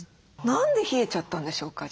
何で冷えちゃったんでしょうか？